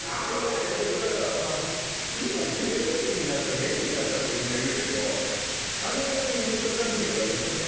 でもだから今便利になった便利になったってみんな言うけど。